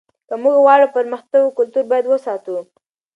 که موږ غواړو پرمختګ وکړو کلتور باید وساتو.